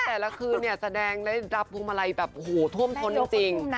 แต่ละคืนเนี่ยแสดงได้รับพวงมาลัยแบบโอ้โหท่วมท้นจริง